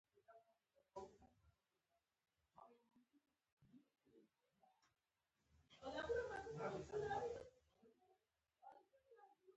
سر کې ماغزه نه لري.